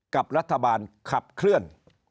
กับรัฐบาลขับเคลื่อน